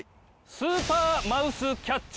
スーパーマウスキャッチ？